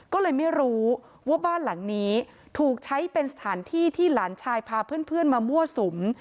ก็เลยไม่รู้ว่าบ้านหลังนี้ถูกใช้เป็นสถานที่ที่หลานชายพาเพื่อนมามั่วสุม